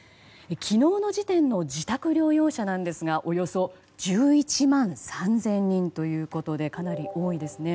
昨日の時点の自宅療養者ですがおよそ１１万３０００人ということでかなり多いですね。